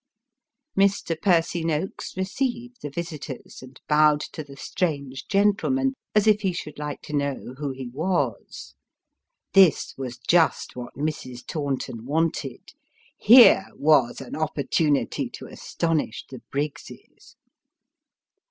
Mr. Percy Noakes received the visitors, and bowed to the strange gentleman, as if he should like to know who he was. This was just what Mrs. Taunton wanted. Here was an opportunity to astonish the Briggses.